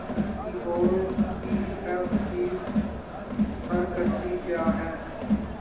computer keyboard کی F keys خر کرتی کیا ہیں